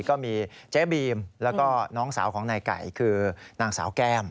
ก็มีเจ๊บีมแล้วก็น้องสาวของนายไก่คือนางสาวแก้ม